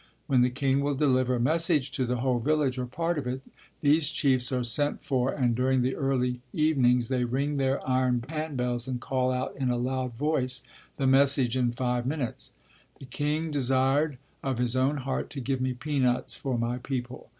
When the king will deliver a message to the whole village or part of it, these chiefs are sent for and during the early evenings they ring their iron hand bells and call out in a loud voice the message in five minutes. The king desired of his own heart to give me peanuts for my people.